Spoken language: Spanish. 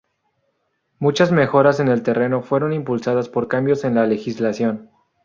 Muchas mejoras en el terreno fueron impulsadas por cambios en la legislación.